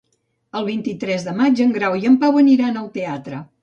El vint-i-tres de maig en Grau i en Pau aniran al teatre.